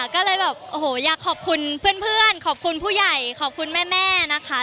ก็เลยแบบโอ้โหอยากขอบคุณเพื่อนขอบคุณผู้ใหญ่ขอบคุณแม่นะคะ